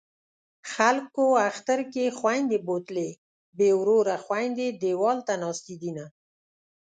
خلکو اختر کې خویندې بوتلې بې وروره خویندې دېواله ته ناستې دینه